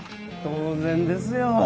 当然ですよ